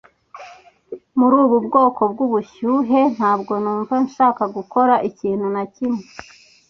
Muri ubu bwoko bwubushyuhe, ntabwo numva nshaka gukora ikintu na kimwe.